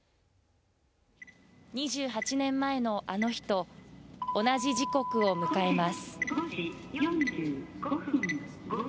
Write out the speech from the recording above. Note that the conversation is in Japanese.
２８年前のあの日と同じ時刻を迎えます。